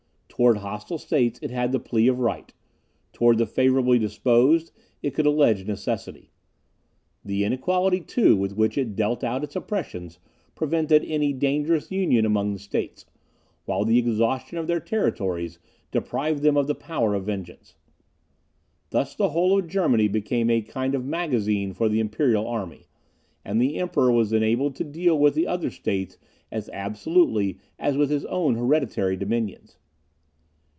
Towards hostile states it had the plea of right; towards the favourably disposed it could allege necessity. The inequality, too, with which it dealt out its oppressions, prevented any dangerous union among the states; while the exhaustion of their territories deprived them of the power of vengeance. Thus the whole of Germany became a kind of magazine for the imperial army, and the Emperor was enabled to deal with the other states as absolutely as with his own hereditary dominions.